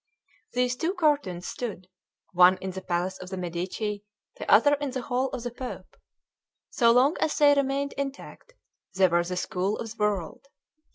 These two cartoons stood, one in the palace of the Medici, the other in the hall of the Pope. So long as they remained intact, they were the school of the world.